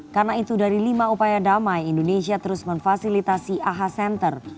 karena itu dari lima upaya damai indonesia terus memfasilitasi aha center